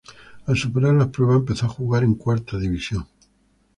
Al superar las pruebas, empezó a jugar en cuarta división.